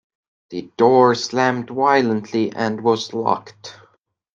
The door slammed violently and was locked.